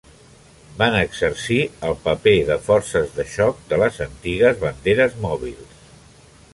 Van exercir el paper de forces de xoc de les antigues Banderes Mòbils.